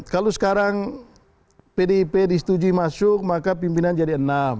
kalau sekarang pdip disetujui masuk maka pimpinan jadi enam